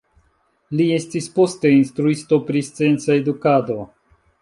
Li estis poste instruisto pri scienca edukado.